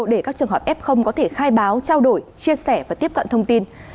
để các trường hợp f có thể khai báo trao đổi chia sẻ và tiếp cận thông tin